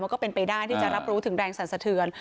มันก็เป็นไปด้านที่จะรับรู้ถึงแรงสรรเสธือน